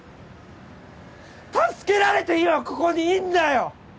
助けられて今ここにいんだよ！